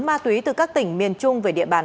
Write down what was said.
ma túy từ các tỉnh miền trung về địa bàn